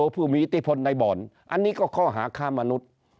เพื่อมีอิติภัณฑ์ในบ่อนอันนี้ก็ข้อหาค่ามนุษย์